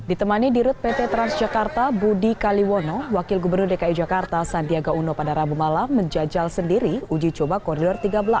ditemani di rute pt transjakarta budi kaliwono wakil gubernur dki jakarta sandiaga uno pada rabu malam menjajal sendiri uji coba koridor tiga belas